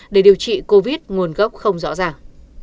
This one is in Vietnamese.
để điều trị covid nguồn gốc không rõ ràng